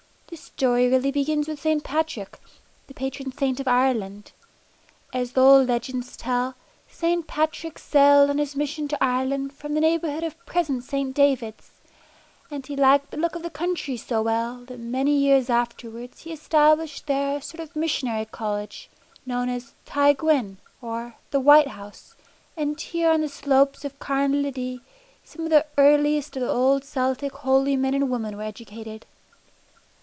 This story really begins with St. Patrick, the patron saint of Ireland. As the old legends tell, St. Patrick sailed on his mission to Ireland from the neighbourhood of present day St. Davids, and he liked the look of the country so well that many years afterwards he established there a sort of missionary college known as "Ty Gwyn," or the "White House," and here on the slopes of Carn Llidi some of the earliest of the old Celtic holy men and women were educated.